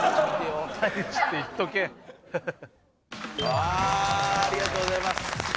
わあありがとうございます！